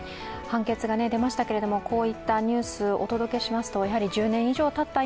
判決が出ましたけれども、こういったニュースをお届けしますと１０年以上たった